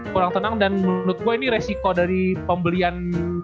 kurang tenang dan menurut gue ini resiko dari pembelian